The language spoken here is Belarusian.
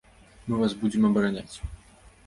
Мы вас будзем абараняць.